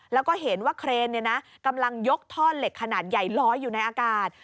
แล้วก็เห็นว่าเครนกำลังยกท่อเหล็กขนาดใหญ่ลอยอยู่ในอากาศ